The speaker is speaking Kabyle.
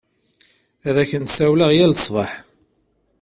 Ad ak-n-sawaleɣ yal ṣṣbeḥ.